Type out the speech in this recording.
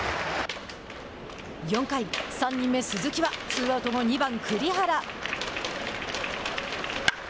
４回、３人目鈴木はツーアウト後、２番栗原。